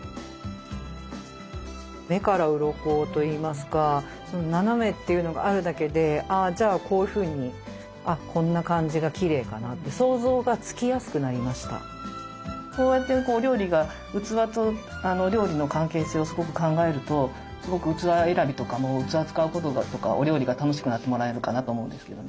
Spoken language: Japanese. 目からうろこといいますかあじゃあこういうふうにあっこんな感じがきれいかなってこうやって料理が器と料理の関係性をすごく考えるとすごく器選びとかも器使うこととかお料理が楽しくなってもらえるかなと思うんですけどね。